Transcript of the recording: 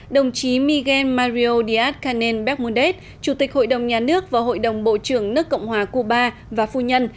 đồng chí miguel mario díaz canel becmundet chủ tịch hội đồng nhà nước và hội đồng bộ trưởng nước cộng hòa cuba và phu nhân